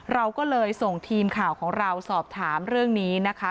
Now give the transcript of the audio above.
เราก็เลยส่งทีมข่าวของเราสอบถามเรื่องนี้นะคะ